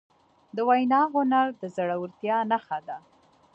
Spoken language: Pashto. د وینا هنر د زړهورتیا نښه ده.